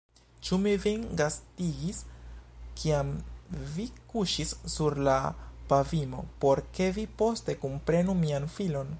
Ĉu mi vin gastigis, kiam vi kuŝis sur la pavimo, por ke vi poste kunprenu mian filon?